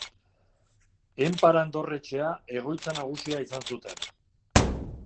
Enparan dorretxea egoitza nagusia izan zuten.